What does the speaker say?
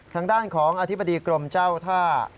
ทางด้านของอธิบดีกรมเจ้าท่า